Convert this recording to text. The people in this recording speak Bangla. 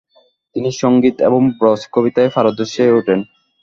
তিনি সংগীত এবং ব্রজ কবিতায় পারদর্শী হয়ে ওঠেন।